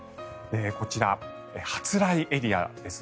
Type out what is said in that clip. こちら発雷エリアです。